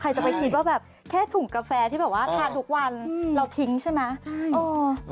จะไปคิดว่าแบบแค่ถุงกาแฟที่แบบว่าทานทุกวันเราทิ้งใช่ไหมใช่เออ